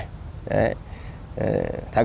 thật là thiệt